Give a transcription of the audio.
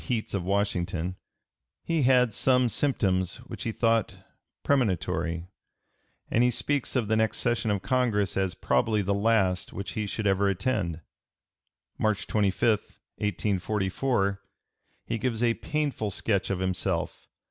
305) heats of Washington, he had some symptoms which he thought premonitory, and he speaks of the next session of Congress as probably the last which he should ever attend. March 25, 1844, he gives a painful sketch of himself.